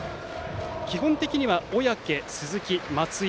基本的には小宅、鈴木、松井